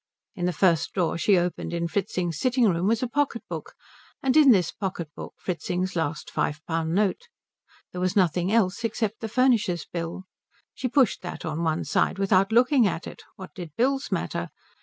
In the first drawer she opened in Fritzing's sitting room was a pocket book, and in this pocket book Fritzing's last five pound note. There was nothing else except the furnisher's bill. She pushed that on one side without looking at it; what did bills matter?